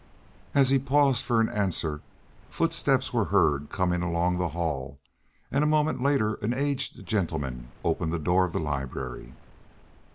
As he paused for an answer footsteps were heard coming along the hall, and a moment later an aged gentleman opened the door of the library.